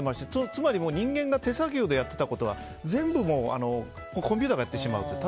つまり、人間が手作業でやってたことは全部コンピューターがやってしまうという。